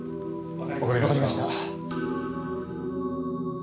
分かりました。